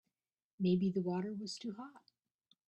Maybe the water was too hot.